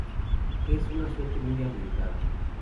Es una suerte muy arriesgada.